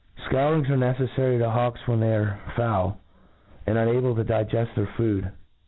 Scourings arc neceflary to hawks when they are foul, and unable to digeft their food.